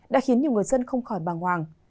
đã khiến nhiều người dân không khỏi bằng hoàng